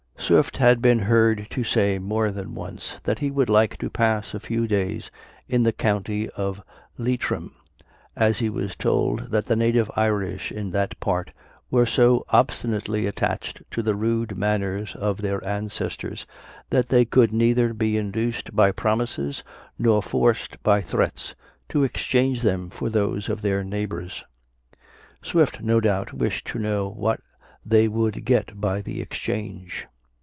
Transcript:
Swift had been heard to say more than once that he should like to pass a few days in the county of Leitrim, as he was told that the native Irish in that part were so obstinately attached to the rude manners of their ancestors, that they could neither be induced by promises, nor forced by threats, to exchange them for those of their neighbors. Swift, no doubt, wished to know what they would get by the exchange.